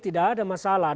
tidak ada masalah